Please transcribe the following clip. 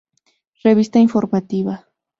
Revista Informativa.